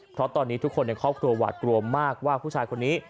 เพราะตอนนี้ทุกคนในครอบครัวหวาดกลัวมากว่าผู้ชายคนนี้